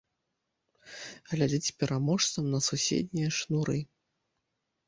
Глядзіць пераможцам на суседнія шнуры.